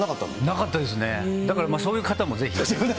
なかったですね、だからそういう方もぜひ。